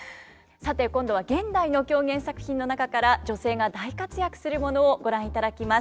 さて今度は現代の狂言作品の中から女性が大活躍するものをご覧いただきます。